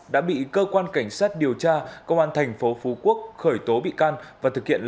đã bị cơ quan cảnh sát điều tra công an thành phố phú quốc khởi tố bị can và thực hiện